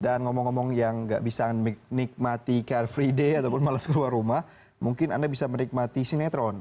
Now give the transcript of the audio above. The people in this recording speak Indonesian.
dan ngomong ngomong yang nggak bisa nikmati car free day ataupun males keluar rumah mungkin anda bisa menikmati sinetron